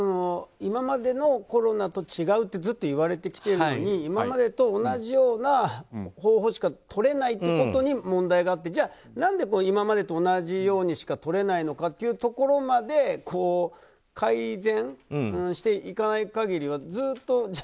今までのコロナと違うとずっと言われてきているのに今までと同じような方法しかとれないってことに問題があって何で今までと同じようにしか取れないのかというところまで改善していかない限りはずっと。